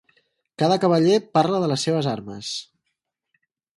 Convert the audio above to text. Cada cavaller parla de les seves armes.